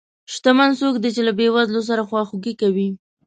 شتمن څوک دی چې له بې وزلو سره خواخوږي کوي.